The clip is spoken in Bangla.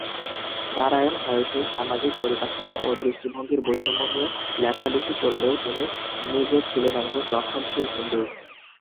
নারায়ণ প্রায়শই সামাজিক পরিকাঠামো ও দৃষ্টিভঙ্গির বৈষম্য নিয়ে লেখালিখি করলেও তিনি নিজে ছিলেন একজন রক্ষণশীল হিন্দু।